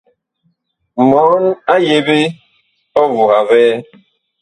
Mɔɔn a yeɓe ɔvuha vɛɛ.